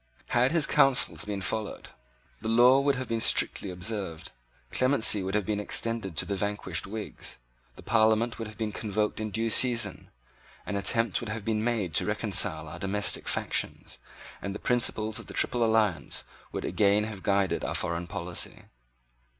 Had his advice been followed, the laws would have been strictly observed: clemency would have been extended to the vanquished Whigs: the Parliament would have been convoked in due season: an attempt would have been made to reconcile our domestic factions; and the principles of the Triple Alliance would again have guided our foreign policy.